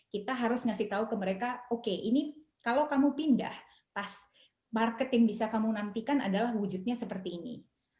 kita harus ngasih tahu ke mereka oke ini kalau kamu pindah pas market yang bisa kamu nantikan adalah wujudnya seperti ini